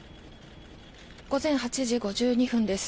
午前８時５２分です。